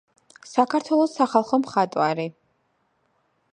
საქართველოს სახალხო მხატვარი.